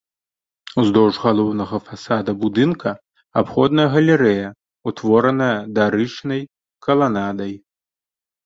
Уздоўж галоўнага фасада будынка абходная галерэя, утвораная дарычнай каланадай.